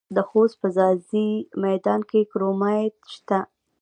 د خوست په ځاځي میدان کې کرومایټ شته.